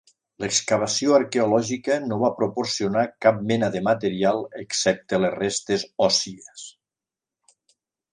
L'excavació arqueològica no va proporcionar cap mena de material excepte les restes òssies.